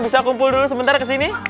bisa kumpul dulu sebentar ke sini